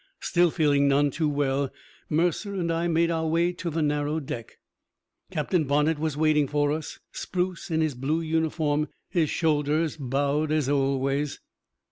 Still feeling none too well, Mercer and I made our way to the narrow deck. Captain Bonnett was waiting for us, spruce in his blue uniform, his shoulders bowed as always.